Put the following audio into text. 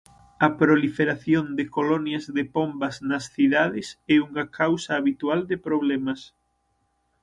A proliferación de colonias de pombas nas cidades é unha causa habitual de problemas.